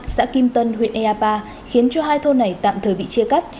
xã kim tân huyện ea ba khiến cho hai thôn này tạm thời bị chia cắt